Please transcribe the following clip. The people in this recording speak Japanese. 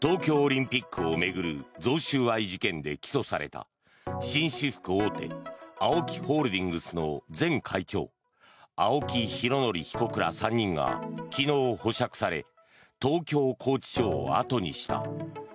東京オリンピックを巡る贈収賄事件で起訴された紳士服大手ＡＯＫＩホールディングスの前会長青木拡憲被告ら３人が昨日、保釈され東京拘置所を後にした。